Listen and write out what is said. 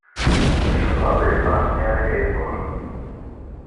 Cikkeɣ ad yefṛeḥ mi ara k-iẓer.